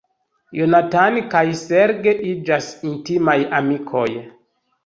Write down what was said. Jonathan kaj Serge iĝas intimaj amikoj.